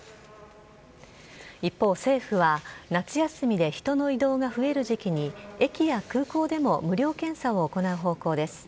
一方、政府は夏休みで人の移動が増える時期に駅や空港でも無料検査を行う方向です。